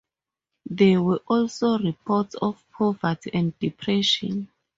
There were also reports of poverty and depression.